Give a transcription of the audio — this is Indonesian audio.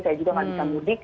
saya juga nggak bisa mudik